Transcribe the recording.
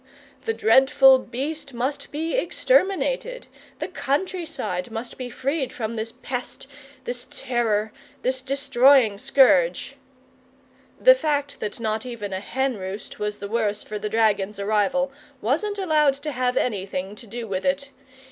The dreadful beast must be exterminated, the country side must be freed from this pest, this terror, this destroying scourge. The fact that not even a hen roost was the worse for the dragon's arrival wasn't allowed to have anything to do with it.